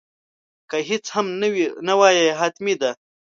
که هیڅ هم ونه وایې حتمي ده.